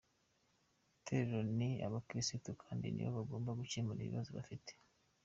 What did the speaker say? Itorero ni abakirisitu kandi nibo bagomba gukemura ibibazo bafite.